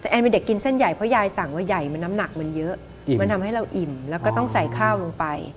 แต่แอนเป็นเด็กกินเส้นใหญ่เพราะยายสั่งว่าใหญ่มันน้ำหนักมันเยอะมันทำให้เราอิ่มแล้วก็ต้องใส่ข้าวลงไป